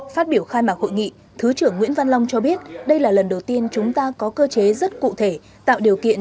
phát biểu khai mạc hội nghị thứ trưởng nguyễn văn long cho biết đây là lần đầu tiên chúng ta có cơ chế rất cụ thể tạo điều kiện